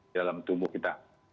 dalam tubuh kita